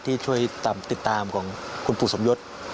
ที่ช่วยตามติดตามของคุณปุศมยศ